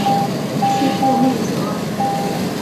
屈布内泽。